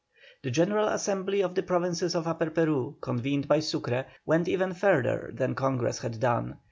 The general Assembly of the Provinces of Upper Peru, convened by Sucre, went even further than Congress had done.